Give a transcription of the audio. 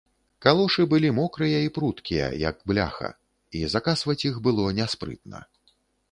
Калошы былі мокрыя і пруткія, як бляха, і закасваць іх было няспрытна.